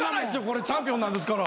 これチャンピオンなんですから。